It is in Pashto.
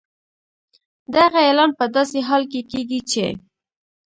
دغه اعلان په داسې حال کې کېږي چې